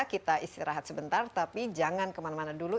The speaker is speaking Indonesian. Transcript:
kita istirahat sebentar tapi jangan kemana mana dulu